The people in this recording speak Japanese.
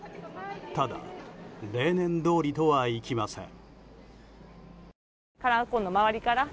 ただ、例年どおりとはいきません。